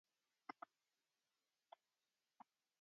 One or both ends of the spirochete are usually hooked.